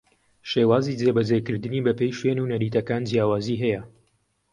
شێوازی جێبەجێکردنی بەپێی شوێن و نەریتەکان جیاوازی ھەیە